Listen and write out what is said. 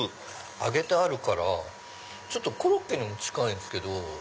揚げてあるからちょっとコロッケにも近いんすけど。